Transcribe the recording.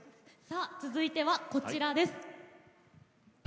続いては、こちらです。